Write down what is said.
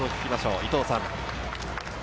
伊藤さん。